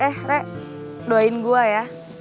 eh rek doain gue ya